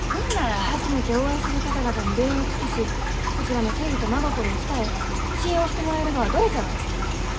初めてお会いする方々に礼を尽くしこちらの誠意と真心を伝え信用してもらえるがはどれじゃろう？